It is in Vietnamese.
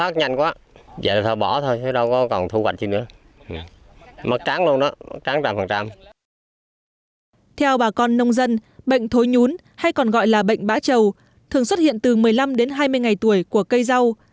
theo bà con nông dân bệnh thối nhún hay còn gọi là bệnh bã trầu thường xuất hiện từ một mươi năm đến hai mươi ngày tuổi của cây rau